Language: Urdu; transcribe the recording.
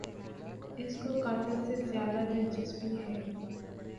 اس کو قاتل سے زیادہ دلچسپی ہے۔